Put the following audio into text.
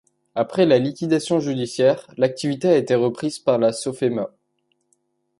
Après la liquidation judiciaire l'activité a été reprise par la Sofema.